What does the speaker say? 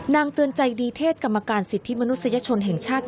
เตือนใจดีเทศกรรมการสิทธิมนุษยชนแห่งชาติ